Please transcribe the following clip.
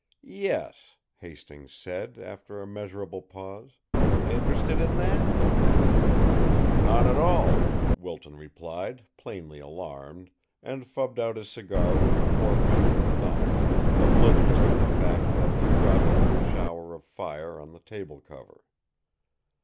"Yes," Hastings said, after a measurable pause. "Interested in that?" "Not at all," Wilton replied, plainly alarmed, and fubbed out his cigar with forefinger and thumb, oblivious to the fact that he dropped a little shower of fire on the table cover.